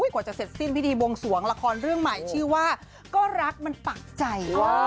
กว่าจะเสร็จสิ้นพิธีบวงสวงละครเรื่องใหม่ชื่อว่าก็รักมันปากใจ